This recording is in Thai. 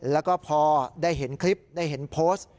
แล้วก็พอได้เห็นคลิปได้เห็นโพสต์